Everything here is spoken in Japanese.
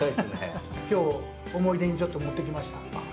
きょう、思い出に持ってきました。